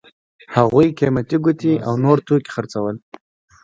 هغوی قیمتي ګوتې او نور توکي خرڅول.